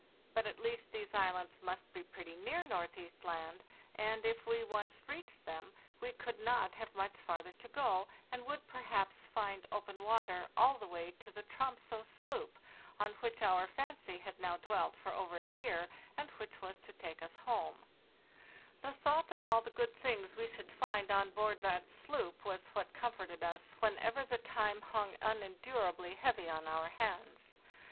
But at least these islands must be pretty near Northeast Land, and if we once reached them, we could not have much farther to go, and would perhaps find open water all the way to the Tromso sloop, on which our fancy had now dwelt for over a year, and which was to take us home. * It proved afterwards that the distance was about 56 miles. THE NEW YEAR, 1806 461 The thought of all the good things we should find on board that sloop was what comforted us whenever the time hung unendurably heavy on our hands.